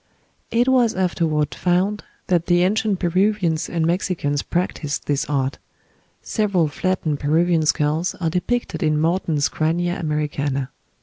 It was afterward found that the ancient Peruvians and Mexicans practised this art: several flattened Peruvian skulls are depicted in Morton's "Crania Americana."